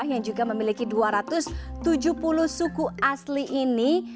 yang juga memiliki dua ratus tujuh puluh suku asli ini